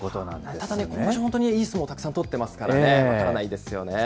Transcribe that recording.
ただね、ことし、本当にいい相撲取っていますからね、分からないですよね。